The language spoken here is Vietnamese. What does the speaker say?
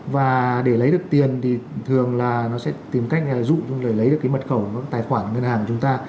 và để lấy được tiền thì thường là nó sẽ tìm cách dụng để lấy được mật khẩu tài khoản ngân hàng của chúng ta